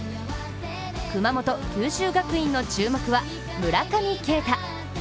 熊本・九州学院の注目は村上慶太。